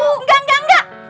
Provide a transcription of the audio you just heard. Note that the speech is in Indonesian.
enggak enggak enggak